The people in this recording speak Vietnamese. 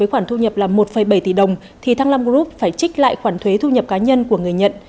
khoản thu nhập là một bảy tỷ đồng thì thăng long group phải trích lại khoản thuế thu nhập cá nhân của người nhận